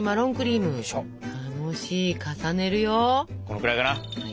このくらいかな？